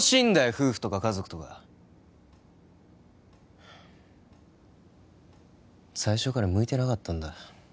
夫婦とか家族とか最初から向いてなかったんだ